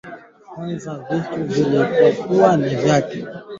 Kujaza viti ambavyo vimeachwa wazi tangu uachaguzi mkuu wa mwaka elfu mbili kumi na nane